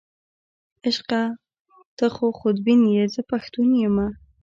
عشقه ته خودبین یې، زه پښتون یمه.